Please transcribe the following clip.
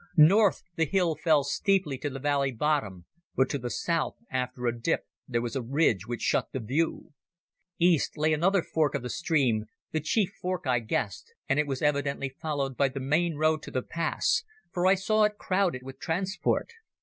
North, the hill fell steeply to the valley bottom, but to the south, after a dip there was a ridge which shut the view. East lay another fork of the stream, the chief fork I guessed, and it was evidently followed by the main road to the pass, for I saw it crowded with transport.